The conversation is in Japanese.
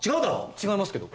違いますけど。